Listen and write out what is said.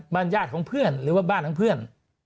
บ้านญาติของเพื่อนหรือว่าบ้านของเพื่อน